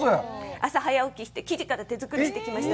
朝、早起きして生地から手作りしてきました。